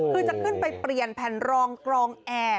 คือจะขึ้นไปเปลี่ยนแผ่นรองกรองแอร์